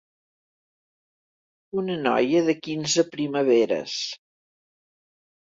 Una noia de quinze primaveres.